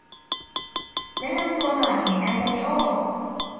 แนะนำตัวหน่อยแอนโตนิโอ